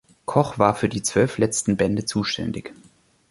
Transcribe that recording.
Koch war für die zwölf letzten Bände zuständig.